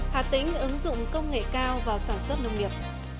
hạ tính ứng dụng công nghệ cao vào sản xuất nông nghiệp